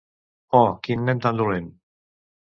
Oh, quin nen tan dolent!